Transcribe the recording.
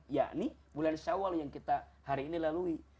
ya ini bulan syawal yang kita hari ini lalui